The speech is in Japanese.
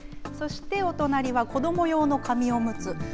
そして、お隣は子ども用の紙おむつ。